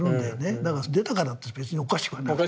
だから出たからって別におかしくはなくて。